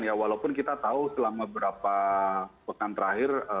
ya walaupun kita tahu selama beberapa pekan terakhir